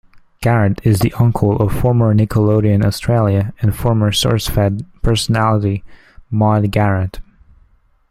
Garrett is the uncle of former Nickelodeon Australia and former SourceFed personality Maude Garrett.